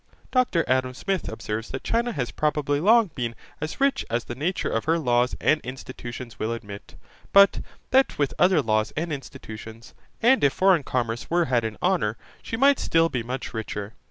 Dr Adam Smith observes that China has probably long been as rich as the nature of her laws and institutions will admit, but that with other laws and institutions, and if foreign commerce were had in honour, she might still be much richer.